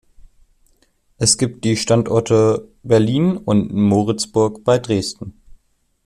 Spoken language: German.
Es gibt die Standorte Berlin und Moritzburg bei Dresden.